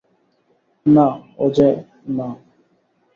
না, ওজে, না।